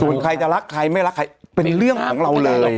ส่วนใครจะรักใครไม่รักใครเป็นเรื่องของเราเลย